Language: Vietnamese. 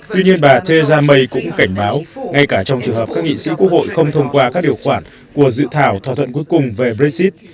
tuy nhiên bà theresa may cũng cảnh báo ngay cả trong trường hợp các nghị sĩ quốc hội không thông qua các điều khoản của dự thảo thỏa thuận cuối cùng về brexit